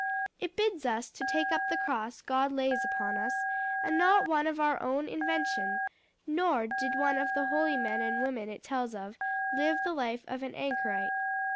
"It bids us take up the cross God lays upon us, and not one of our own invention; nor did one of the holy men and women it tells of live the life of an anchorite.